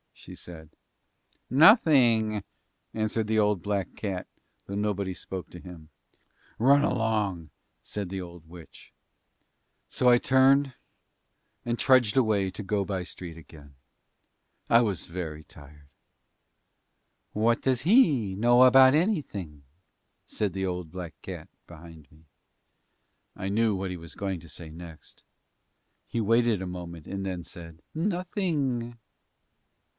she said. "Nothing," answered the old, black cat, though nobody spoke to him. "Run along," said the old witch. So I turned and trudged away to Go by Street again. I was very tired. "What does he know about anything?" said the old black cat behind me. I knew what he was going to say next. He waited a moment and then said, "Nothing."